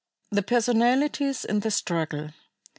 The Personalities in the Struggle.